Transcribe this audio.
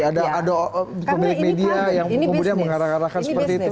ada pemilik media yang kemudian mengarah arahkan seperti itu